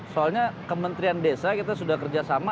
soalnya kementerian desa kita sudah kerja sama